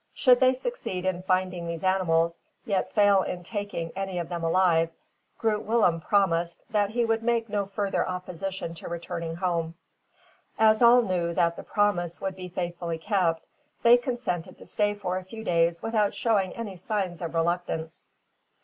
Should they succeed in finding these animals, yet fail in taking any of them alive, Groot Willem promised that he would make no further opposition to returning home. As all knew that the promise would be faithfully kept, they consented to stay for a few days without showing any signs of reluctance.